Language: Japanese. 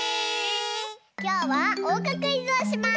きょうはおうかクイズをします！